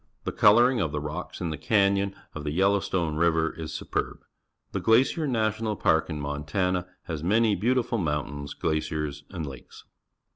The colouring of the rocks in the canyon of the Yellowstone River is superb. The Glacier National Park in Montana has manj' beautiful mountains, glaciers, and lakes.